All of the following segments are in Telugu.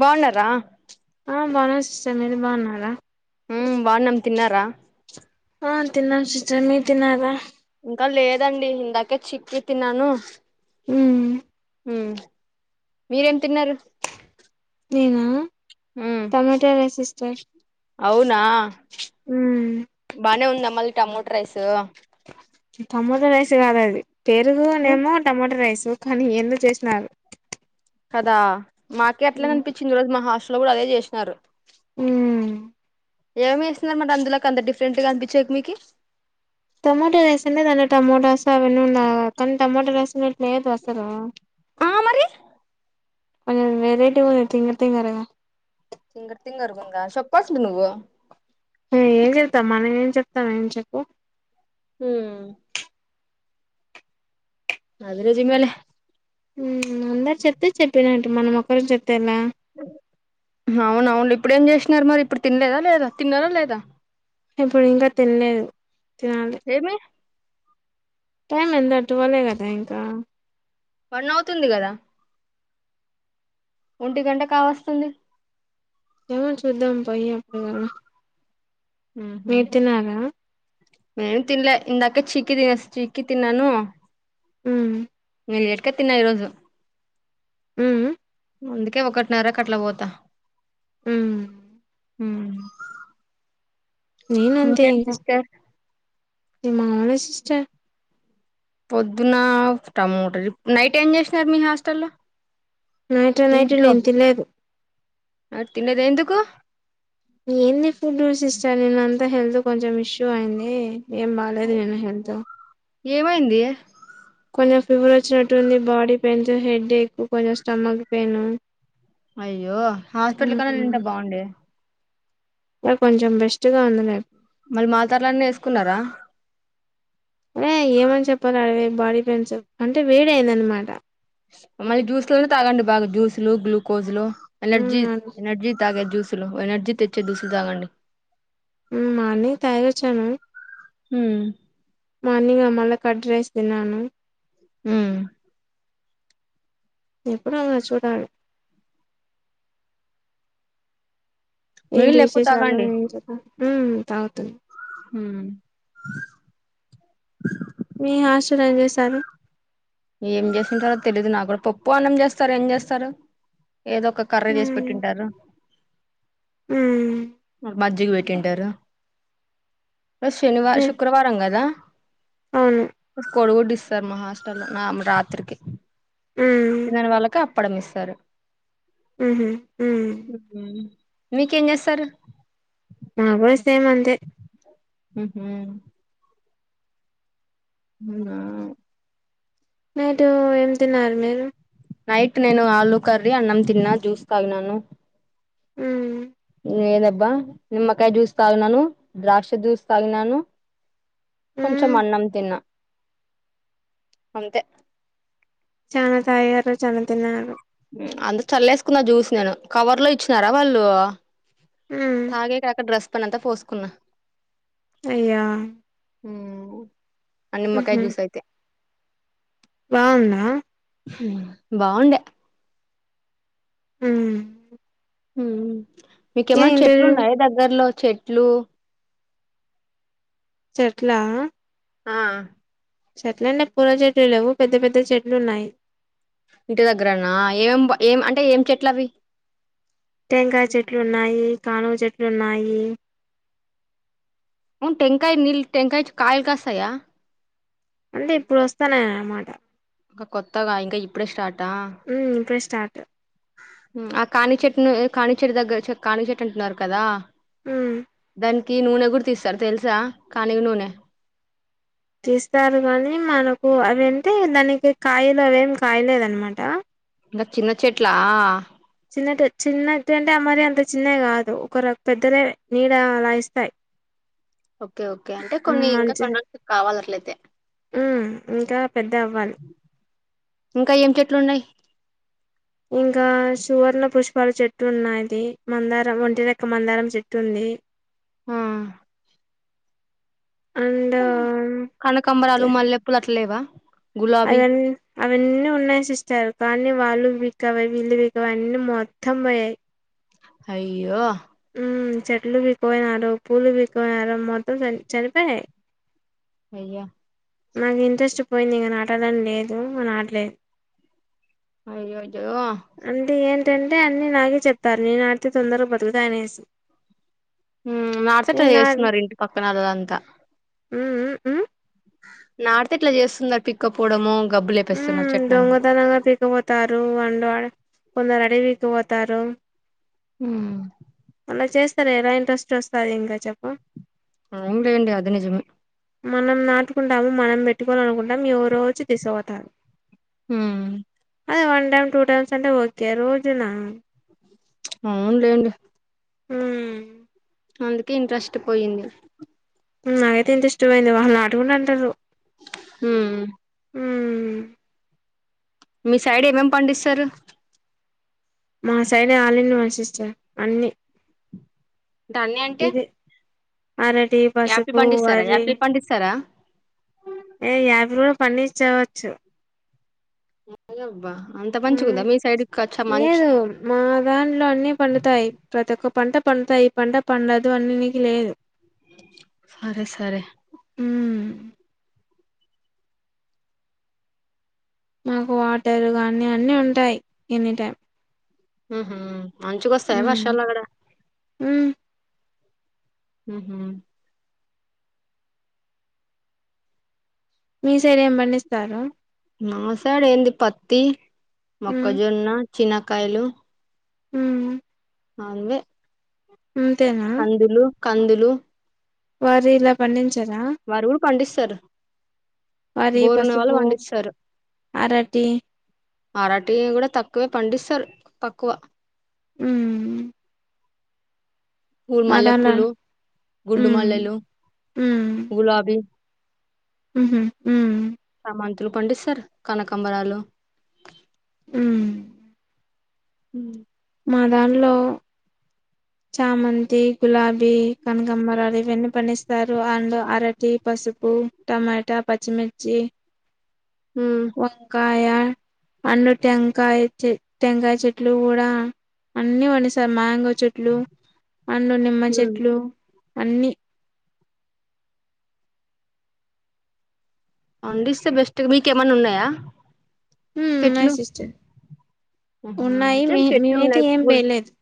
బాగున్నారా బానస్ మీరు బానరా ఊ బావునం తిన్నారా చు మీ తిన్నారా ఇంకా లేదండి ఇందాకే చిక్కి తిన్నాను ఊ ఊ మీరేం తిన్నారు నేనా ఉమ్ టమాటా రైస్ సిస్టర్ అవునా ఉమ్ బానే ఉంద మళ్ళీ టమోటో రైస్ టమోటా రైస్ కాదా అది పేరుగు ఉమ్ నేమో టమోటా రైస్ ఉ కాని ఎందో చేసినారు కదా మాకే అట్లనే అనిపిచింది ఈ రోజు మా హాస్టల్లో కూడా అదే చేసినారు ఊ ఏమి ఏసింది మరి అందులోకి అంత డిఫరెంట్ గా అనిపించేకి మీకి టమాటో రైస్ ఉన్న దాంట్ల టమోటస్ అవి ఎన్ని ఉన్న టమోట రైస్ మీద్ లేదు అసలు ఆ మరి కొంచెం వెరైటీ గా వుంది తింగరతింగర తింగర తింగర గా ఉందా సొప్పల్సింది నువ్వు ఆ ఏం చెతాం మనం ఏం చెప్తాం ఏం చెప్పు ఊ అది నిజమే లే అందరు చెప్తే చెప్పినటు మనం ఒకం చెప్తే ఎలా అవున అవును లే ఇప్పుడు చేసినారు మరి ఇప్పుడు తినలేదా లేదా తిన్నారా లేదా ఇప్పుడు ఇంకా తినలేదు ఏమి టైమ్ ఎంత టువలే కదా ఇంకా వన్ అవుతుంది కదా ఒంటి గంట కావస్తుంది ఎవన్ చూద్దాం పయి అప్పుడి వరకు మీర్ తిన్నారా నేను తిన్లే ఇందాక చీకి తినేస్ చీకి తిన్నాను ఊ ఏ ఎట్క తన్నా ఈరోజు ఉమ్ అందుకే ఒకటిన్నరకట్లా పోతా ఉమ్ ఉమ్ ఇంకేంటి సిస్టర్ ని మామనే సిస్టర్ పొద్దున టమోట నైట్ ఏం చేసినరు మీ హాస్టల్లో నైట్ నైట్ నేను తీలేదు ఆర్థిన్లేద్ ఎందుకు ఏంది ఫుడ్ సిస్టర్ నేన్న అంతా హెల్త్ కొంచెం ఇష్యూ అయింది ఏం బాలేదు నేను హెంతో ఏమైంది కొంచెం ఫీవర్ వచ్చినట్టుంది బాడీ పెయిన్స్ హెడ్ ఎక్ కొంచెం స్టమక్ పెయిన్ అయ్యో హాస్పిటల్ కడాన్నాంట బాగుండే నాకు కొంచెం బెస్ట్ గా ఉంది లే మరీ మాతర్లన్న ఏసుకున్నారా అరే ఏమని చెప్పాలి అడవేయి బాడీ పెయిన్స్ అంటే వేడయిందనమాట మమ్ళీ జ్యూస్ లో తాగండి బాగా జ్యూస్ లు గ్లూకోజస్లు ఎనర్జీ ఎనర్జీ తాగే జ్యూస్ దృ ఎనర్జీ తెచ్చే దూసులు తాగండి ఉమ్ మార్నింగ్ తగోచ్చను ఉమ్ మార్నింగ్ అ మళ కట్ రైస్ తిన్నాను ఉమ్ ఎప్పుడు అ చూడార్ ఏంటి నీళ్ళు ఎక్కువ విషే చాలు తాగండి ఏ ఉమ్ తాగుతుంది ఉమ్ మీ హాస్టల్లో ఏం చేశారు ఏం చేసంటారో తెలీదు నా కూడా పప్పు అన్నం చేస్తరు ఏం చేస్తరు ఏదో ఒక కర్ర చేసి ఉమ్ పెట్టింటారు ఉమ్ మద్ జగ్వెయిట్ంటారు ర శనివ నే శుక్రవారం కదా అవును కొడుగుడిస్తారు మహాస్ నామ రాత్రికి ఉమ్ తినని వాళ్ళకి అప్పుడం ఇస్తారు ఉహు ఉమ్ మీకేం చేసారూ ఆ బస్ ఉహు ఉమ్ ఆ నేటు ఏం తన్నారు మీరు నైట్ నేను ఆలుూ కర్రీ అన్నం తిన్నా జ్యూస్ తగినను ఉమ్ లెదబ్బా నిమ్మకాయ చజ్యూస్ తాగీనను ద్రాక్ష చ్యూస్ తాగీనను కొంచెం ఉమ్ అన్నం తిన్నా అంతే చనా తయారు చనా తిన్నారు ఉమ్ అంత చల్లేసుకున్నా జ్యూస్ నేను కవర్ లో ఇచ్చినారా వాళ్ళు ఉమ్ తాగే కాక డ్రస్ పైన అంతా పోసుకున్నా అయ్యా ఆ నిమ్కాయ జ్యూస్ అయితే బావుంద బాగుండె ఉమ్ ఏ మీకేమన్నా చెట్లు ఇంటర్వ్యూ ఉన్నాయా దగ్గర్లో చెట్లు చెట్లా ఆ చెట్లన్ అంటే పూల చెట్లు లేవు పెద్ద పెద్ద చెట్లు ఉన్నాయి ఇంటి దగ్గరన ఏం ఏం అంటే ఏం చెట్లవి టెంకాయ చెట్లు ఉన్నాయి కానుగ చెట్లు ఉన్నాయి వును టెంకాయ నీల్ టెంకాయ కాయలు కాస్తయ అంటే ఇప్పుడు వస్తనయి అన్నమాట ఇంకా కొత్తగా ఇంకా ఇప్పుడే స్టార్ట్ మ్ ఇప్పుడె స్టార్ట్ ఆ కానుగ చెట్టును కానుగచెట్టు దగ్గర చే కానుగచెట్టు అంటున్నారు కదా ఉమ్ దానికి నూనె గూడా దీస్తారు తెలుసా కానుగ నూనె ఓ అది అంటే దానికి కాయలు అవేమి కాయలేదు అన్నమాట ఇంగా చిన్న చెట్లా చిన్నటి చిన్నటి అంటే ఆ మరి అంత చిన్నవి గాదు ఒక రవ పెద్దదే నీడ అలా ఇస్తాయి ఓకే ఓకే అంటే కొన్ని ఇంకా కొన్ని రోజులు కావాలి అట్లయితే మ్ ఇంకా పెద్ద అవ్వాలి ఇంకా ఏం చెట్లు ఉన్నాయి ఇంకా సువర్ణ పుష్పాలు చెట్టు ఉన్నాది మందారం ఒంటి రెక్క మందారం చెట్టు ఉంది మ్ ఆ అండ్ కనకాంబరాలు మల్లెపూలు అట్లలేవా అవన్ అవన్నీ ఉన్నాయి సిస్టర్ కానీ వాళ్ళు వీకపోయ్ వీళ్ళు బీకపోయ్ అన్ని మొత్తం బోయ్యాయి అయ్యో మ్ చెట్లు బీక్కుపోయినారు పూలు బీక్కు పోయినారు మొత్తం చని చనిపోనాయ్ అయ్యా నాకు ఇంట్రెస్ట్ పోయింది ఇంగ నాటాలని లేదు ఇగ నాటలేదు అయ్యయ్యో అంటే ఏంటంటే అన్ని నాకే జెప్తారు నేను నాటితే తొందరగా బతుకుతాయి అనేసి మ్ నాటితే ఇట్లా జేస్తున్నారు ఇంటి పక్కన ఆల్ అంతా మ్ మ్ మ్ నాటితే ఇట్లా జేస్తున్నారు పీక్కపోవడము మ్ దొంగతనంగా పీకపోతారు వండువాడు కొందరు పీక్కపోతారు ఉమ్ అలా చేస్తారు ఎలా ఇంట్రెస్ట్ వస్తాది ఇంకా చెప్పు అవును లేండి అది నిజమే మనం నాటుకుంటాము మనం బెట్టుకోవాలి అనుకుంటాము ఎవరో వచ్చి తీసుకపోతారు ఉమ్ అదే వన్ టైమ్ టూ టైమ్స్ అంటే ఓకే రోజునా అవునులేండి ఉమ్ అందుకే ఇంట్రెస్ట్ పోయింది నాకైతే ఇంట్రెస్ట్ పోయింది వాళ్ళు నాటుకుంటు అంటరు హుమ్ ఉమ్ మీ సైడ్ ఏమేమి పండిస్తారు మా సైడ్ ఆల్ఇన్ వన్ సిస్టర్ అన్ని ఇక అన్ని అంటే ఇది అరటి యాపిల్ పసుపు పండిస్తారా వరి యాపిల్ పండిస్తారా ఏ యాభై రోజులు పడించవచ్చు ఎలా అబ్బా ఉమ్ లేదు మా దాంట్లో అన్ని పండుతాయి ప్రతి ఒక్క పంట పడుతాయి పంట పండదు అన్నినికి లేదు సరే సరే ఉమ్ మాకు వాటరు కానీ అన్ని ఉంటాయి ఎనీ టైమ్ ఉహుమ్ మంచిగ వస్తాయ మ్మ్ వర్షాలు అక్కడ మ్మ్ ఉహుమ్ మీ సైడ్ ఏం పండిస్తారు మా సైడు ఏంది పత్తి మ్మ్ మొక్కజొన్న చినకాయలు ఉమ్ అన్వే అంతేనా కందులు వర ఇలా పండించర వారువులు పండిస్తారు కూడా వరి బోరున్న వాళ్ళు పసుపు పండిస్తారు అరటి అరటీ కూడా తక్కువే పండిస్తారు తక్కువ అమ్ పూ మల్లె పూలు గుండు ఉమ్ మల్లెలు గులాబీ ఉహుమ్ ఉమ్ మంతులు పండిస్తారు కనకంబరాలు అమ్ హమ్ మా దానిలో చామంతి గులాబీ కనకంబరాలు ఇవన్నీ పండిస్త సరు అండ్ అరటి పసుపు టమాటా పచ్చిమిర్చి ఉమ్ వంకాయ్ అయా అన్నూ టంకాయ చెటు టంకాయ చెట్లు కూడా అన్ని వండి సార్ మ్యాంగో చెట్లు అండ్ నిమ్మ చెట్లు అన్ని అండిస్ బెస్ట్ మీకుమన్న ఉన్నాయా ఉమే ఉన్నాయి చెట్లు సిస్టర్ ఆహా, ఉన్నాయి ఇంకేం మీ చెట్లు మేమైతే ఉన్నాయి ఏం పూల్ వేయలేదు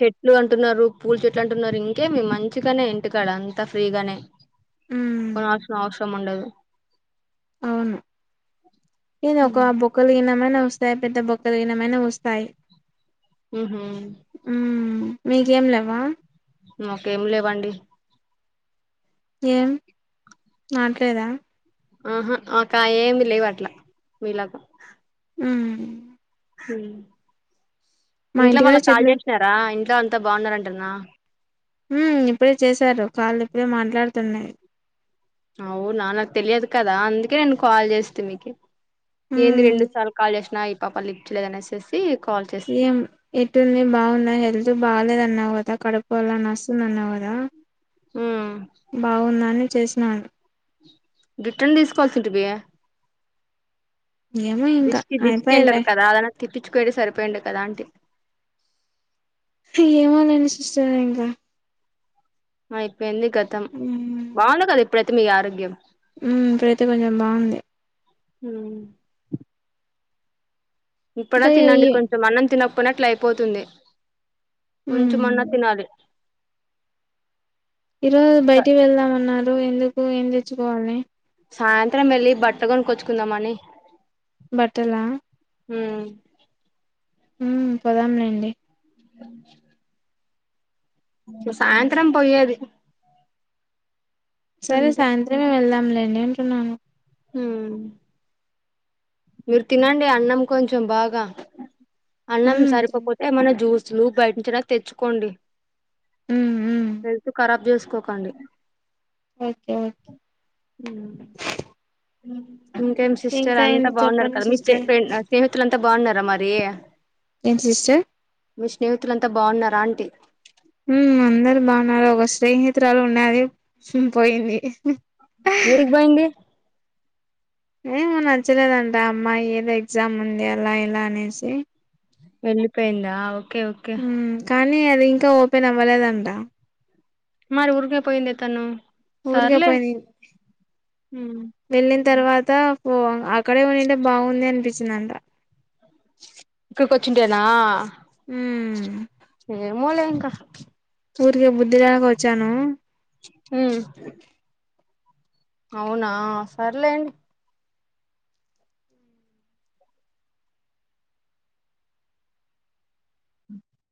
చెట్లు అంటున్నారు పూలు చెట్లు అంటున్నారు ఇంకేం మంచిగానే ఇంటికాడ అంత ఫ్రీగానే ఉమ్ కొనాల్సిన అవసరం ఉండదు అవును ఎదో ఒక ఉమ్ ఆ బొక్కలు గిన్న ఎమన స్తాయి పెద్ద బొక్క దిగినమైనా వస్తాయి ఉహు ఉమ్ మీకేం లెవ్వ మకేమి లేవండి ఏం మాట్లేదా ఆహా ఒక ఏమి లేవు అట్ల మీలాగా ఊ మా ఇంట్లో ఇంటికాడ వాళ్ళ కాల్ చెట్లు చేసినారా ఇంట్లో అంతా బాగున్నారంటన్న ఉ ఇప్పుడే చేశారు కాళ్ళు ఇప్పుడే మాట్లాడుతున్నాయి అవునా నాకు తెలియదు కదా అందుకే నేను కాల్ చేస్తే మీకు ఏంది ఉమ్ రెండు సార్లు కాల్ చేసినా ఈ పాప లీఫ్ చేయల అనేసేసి కాల్ చేస్తి ఏం ఎట్టుంది బాగున్నా హెల్త్ బాగాలేద అన్నా అంత కడుపు అలా నస్తుందన్నావ్ కదా ఉమ్ బాగుంద అని చేసినా జుట్టున్ తీసుకోవాల్సింటివి ఏమో ఇంకా దిష్టి దిష్టి అంటారు అయిపోయిలే కదా అదన తిప్పిచ్చుకోయింటె సరిపోయిండు కదా అంటి ఏమోలేండి సిస్టర్ ఇంక అయిపోయింది గతం బాగుండ కదా ఇప్పుడైతే మీ ఆరోగ్యం ఉ ఇప్పుడైతే కొంచెం బాగుంది ఊ ఇప్పుడా అంటే తినండి ఈ కొంచెం అన్నం తినకపోయిన అట్లయిపోతుంది ఉమ్ కించమన్న తినాలి ఈరోజు బయటికి వెళ్దామన్నారు ఎందుకు ఏం తెచ్చుకోవాలని సాయంత్రం వెళ్ళి బట్ట కొనికోచ్చుకుందాంని బట్టలా ఉ ఉ పోదాంలేండి సాయంత్రం పొయ్యేది సరే సాయంత్రమే వెళ్దాంలేండి అంటున్నాను ఉ మీరు తినండి అన్నం కొంచెం బాగా అన్నం ఉమ్ సరిపోపోతే ఏమన్నా జ్యూస్ లు బయటనుంచి అయిన తెచ్చుకోండి ఉమ్ ఉమ్ హెల్త్ కరాబ్ చేస్ తోకండి ఓకే ఓకే ఉ ఇంకేం సిస్టర్ ఇంకా అంతా ఏంటి బాగున్నారు చెప్పండి కదా మీ సిస్టర్ స్నేహితులంతా బాగున్నారా మరి ఏం సిస్టర్ మీ స్నేహితులంతా బాగున్నారా అంటి అందరు బాగున్నారు ఒక స్నేహితురాలు ఉండేది పోయింది ఎరికి బోయింది ఏమో నచ్చలేదంట అమ్మాయి ఏదో ఎగ్జామ్ ఉంది అలా ఇలా అనేసి వెళ్ళిపోయిందా ఓకే ఓకే ఉమ్ కానీ అది ఇంకా ఓపెన్ అవ్వలేదంట మరి ఊరికే పోయిందే తను సర్లే ఊరికాపా వెళ్ తర్వాత పో అక్కడే ఉనింటే బాగుంది అనిపించిందంట ఇక్కడికి వచ్చిన్టేనా ఊ ఏమొలే ఇంక ఊరికే బుద్ధిల్యాక వచ్చాను హు అవునా సర్లేం